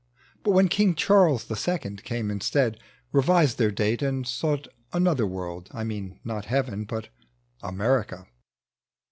But when King Charles the Second came instead, Revised their date and sought another world : I mean — not heaven but — America.